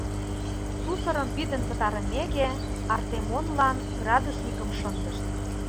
Сусырым пидын пытарымеке, Артемонлан градусникым шындышт.